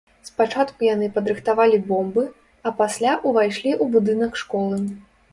Спачатку яны падрыхтавалі бомбы, а пасля ўвайшлі ў будынак школы.